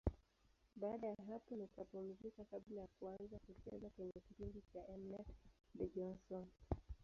Baada ya hapo nikapumzika kabla ya kuanza kucheza kwenye kipindi cha M-net, The Johnsons.